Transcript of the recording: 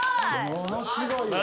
ものすごいわ。